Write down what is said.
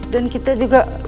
dan kita juga